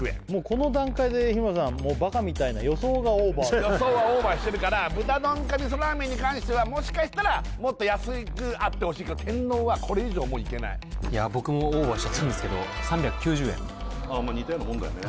この段階で日村さんもう馬鹿みたいな予想がオーバー予想はオーバーしてるから豚丼か味噌ラーメンに関してはもしかしたらもっと安くあってほしい天丼はこれ以上もういけない僕もオーバーしちゃったんですけど３９０円似たようなもんだよね